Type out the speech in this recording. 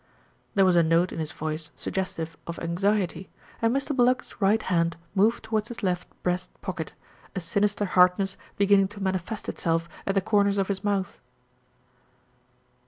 There was a note in his voice suggestive of anxiety, and Mr. Bluggs's right hand moved towards his left breast pocket, a sinister hardness beginning to manifest itself at the corners of his mouth.